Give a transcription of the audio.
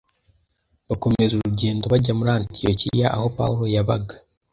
bakomeza urugendo bajya muri Antiyokiya aho Pawulo yabaga